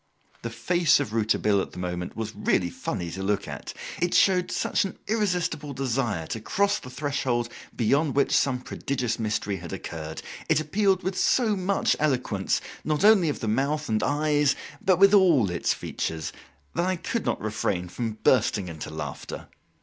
The face of Rouletabille at the moment was really funny to look at. It showed such an irresistible desire to cross the threshold beyond which some prodigious mystery had occurred; it appealed with so much eloquence, not only of the mouth and eyes, but with all its features, that I could not refrain from bursting into laughter.